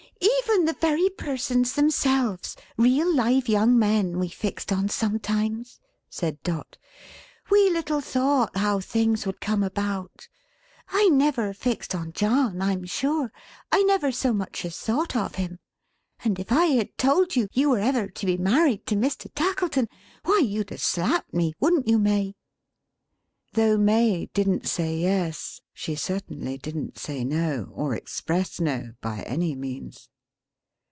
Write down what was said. "Even the very persons themselves real live young men we fixed on sometimes," said Dot. "We little thought how things would come about. I never fixed on John I'm sure; I never so much as thought of him. And if I had told you, you were ever to be married to Mr. Tackleton, why you'd have slapped me. Wouldn't you, May?" Though May didn't say yes, she certainly didn't say no, or express no, by any means.